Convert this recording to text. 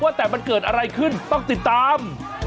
ว่าแต่มันเกิดอะไรขึ้นต้องติดตาม